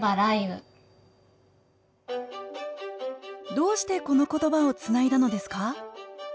どうしてこの言葉をつないだのですか？